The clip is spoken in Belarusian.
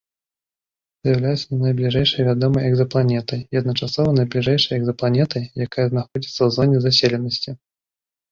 З'яўляецца найбліжэйшай вядомай экзапланетай і адначасова найбліжэйшай экзапланетай, якая знаходзіцца ў зоне заселенасці.